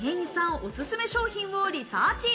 オススメ商品をリサーチ。